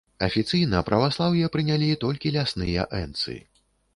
Афіцыйна праваслаўе прынялі толькі лясныя энцы.